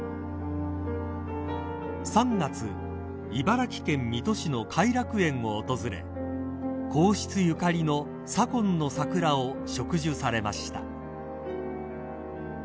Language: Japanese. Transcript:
［３月茨城県水戸市の偕楽園を訪れ皇室ゆかりの左近の桜を植樹されました］